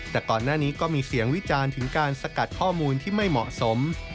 แต่ก่อนหน้านี้ก็มีเสียงวิจารณ์ถึงการสกัดข้อมูลที่ไม่เหมาะสม